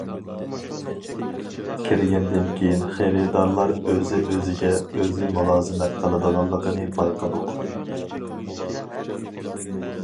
كىرگەندىن كېيىن خېرىدارلار ئۆزىگە ئۆزىگە ئۆزى مۇلازىمەت قىلىدىغانلىقىنى بايقىدۇق.